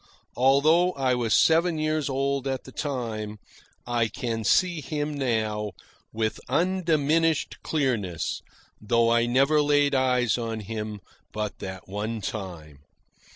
Although I was seven years old at the time, I can see him now with undiminished clearness, though I never laid eyes on him but that one time.